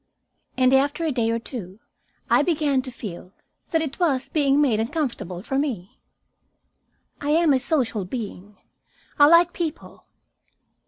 And, after a day or two, I began to feel that it was being made uncomfortable for me. I am a social being; I like people.